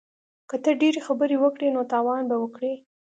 که ته ډیرې خبرې وکړې نو تاوان به وکړې